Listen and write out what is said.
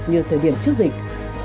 như thời điểm trước dịch